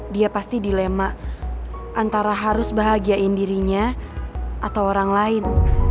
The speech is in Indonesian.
dia pasti dilema antara harus bahagiain dirinya atau orang lain